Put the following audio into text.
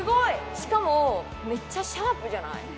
しかもめっちゃシャープじゃない？